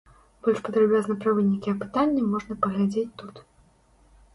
Больш падрабязна пра вынікі апытання можна паглядзець тут.